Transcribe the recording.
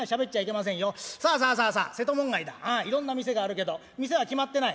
ああいろんな店があるけど店は決まってない？